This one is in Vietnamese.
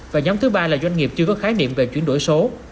và nhóm thứ ba là doanh nghiệp chưa có khái niệm về chuyển đổi số